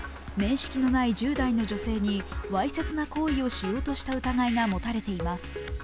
面識のない１０代の女性にわいせつな行為をしようとした疑いが持たれています。